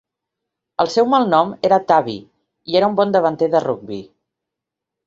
El seu malnom era "Tubby" i era un bon davanter de rugbi.